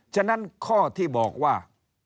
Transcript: ฉะนั้นข้อที่บอกว่า